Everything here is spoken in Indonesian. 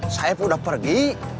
saya pun udah pergi